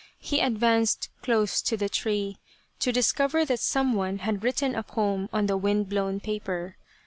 He advanced close to the tree to discover that some one had written a poem on the wind blown paper.